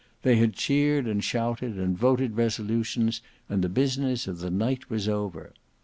They had cheered and shouted, and voted resolutions, and the business of the night was over.